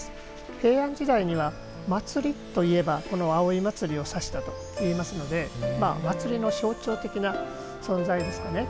平安時代にはまつりといえばこのお祭りを指したといいますので祭りの象徴的な存在ですかね。